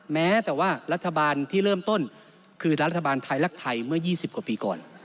แม้แต่ว่ารัฐบาลที่เริ่มต้นคือรัฐบาลไทยรักไทยเมื่อ๒๐กว่าปีก่อน